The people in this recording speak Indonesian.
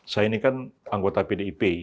saya ini kan anggota pdip